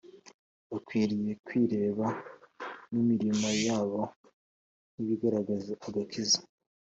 bakwiriyekwireba n'imirimo yabo nk'ibigaragaza agakiza.